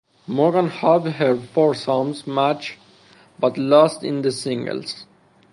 Morgan halved her foursomes match but lost in the singles.